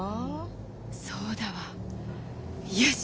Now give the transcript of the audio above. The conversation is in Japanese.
そうだわ。よしっ。